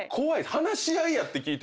話し合いやって聞いてたのに。